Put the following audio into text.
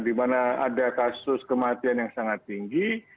di mana ada kasus kematian yang sangat tinggi